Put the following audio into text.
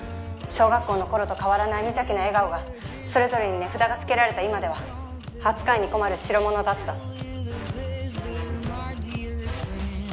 小学校の頃と変わらない無邪気な笑顔がそれぞれに値札がつけられた今では扱いに困るしろものだった。